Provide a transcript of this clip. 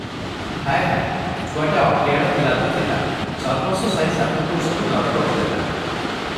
ହାୟ! ହାୟ! ଛୁଆଟା ଅଭିଆଡ଼ା ଥିଲା ତ ଥିଲା, ସର୍ବସ୍ୱ ସାରି ସାତ ପୁରୁଷକୁ ନରକକୁ ଦେଲା ।